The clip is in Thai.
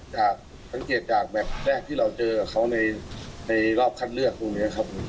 ด้านสังเกตจากแบตแรกที่เราเจอเขาในรอบคัดเลือกพรุ่งนี้ครับ